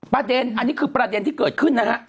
ประเด็นอันนี้คือประเด็นที่เกิดขึ้นนะฮะ